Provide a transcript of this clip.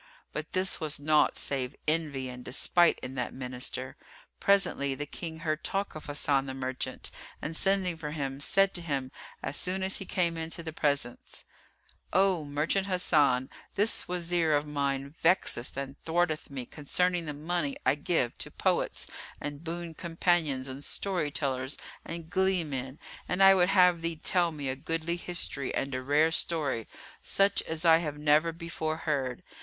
But this was naught save envy and despite in that Minister. Presently the King heard talk of Hasan the Merchant and sending for him, said to him as soon as he came into the presence, "O Merchant Hasan, this Wazir of mine vexeth and thwarteth me concerning the money I give to poets and boon companions and story tellers and glee men, and I would have thee tell me a goodly history and a rare story, such as I have never before heard.